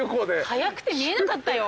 速くて見えなかったよ。